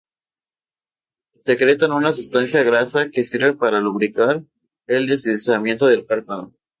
Secretan una sustancia grasa que sirve para lubricar el deslizamiento del párpado.